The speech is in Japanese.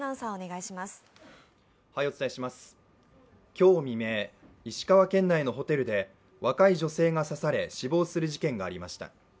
今日未明、石川県内のホテルで若い女性が刺され死亡する事件がありました。